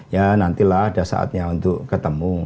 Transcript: ya nantilah ada saatnya untuk ketemu